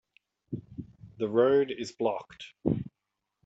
The road is blocked.